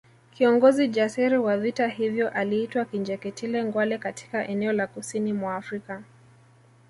Kiongozi jasiri wa vita hivyo aliitwa Kinjekitile Ngwale katika eneo la kusini mwa Afrika